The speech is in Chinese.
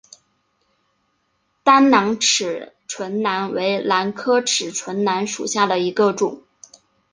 单囊齿唇兰为兰科齿唇兰属下的一个种。